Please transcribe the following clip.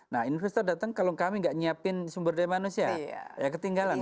nah investor datang kalau kami nggak nyiapin sumber daya manusia ya ketinggalan